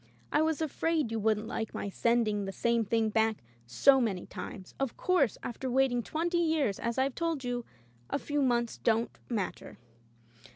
I was afraid you wouldn't like my sending the same thing back so many times. Of course, after waiting twenty years, as I've told you — a few months don't matter.